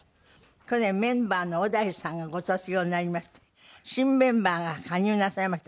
去年メンバーの小田井さんがご卒業になりまして新メンバーが加入なさいました。